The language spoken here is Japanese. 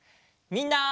みんな！